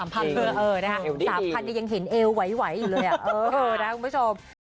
๓๐๐๐ที่ยังเห็นเอวไวอยู่เลยอ่ะนะครับคุณผู้ชม